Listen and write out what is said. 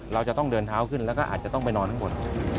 เราจะต้องเดินเท้าขึ้นแล้วก็อาจจะต้องไปนอนข้างบน